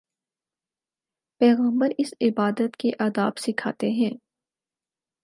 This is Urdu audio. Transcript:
پیغمبر اسے عبادت کے آداب سکھاتے ہیں۔